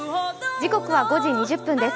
時刻は５時２０分です。